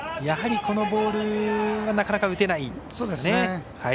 やはり、このボールはなかなか打てないですね。